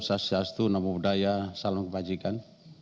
salam sejahtera salam kebajikan